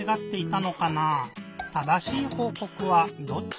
正しいほうこくはどっち？